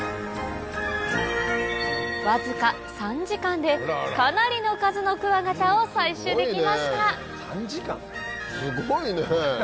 わずか３時間でかなりの数のクワガタを採集できましたすごいね！